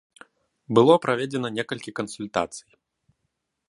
Было праведзена некалькі кансультацый.